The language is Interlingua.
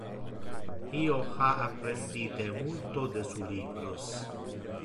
Io ha apprendite multo de su libros.